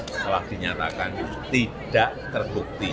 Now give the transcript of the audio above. setelah dinyatakan tidak terbukti